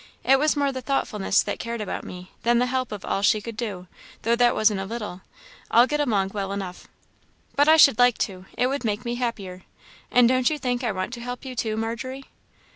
It was more the thoughtfulness that cared about me than the help of all she could do, though that wasn't a little I'll get along well enough." "But I should like to it would make me happier; and don't you think I want to help you too, Margery?"